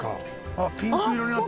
あっピンク色になった。